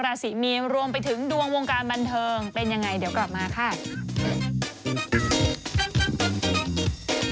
ราศีมีนรวมไปถึงดวงวงการบันเทิงเป็นยังไงเดี๋ยวกลับมาค่ะ